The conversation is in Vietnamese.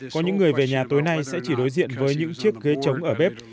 có những người về nhà tối nay sẽ chỉ đối diện với những chiếc ghế trống ở bếp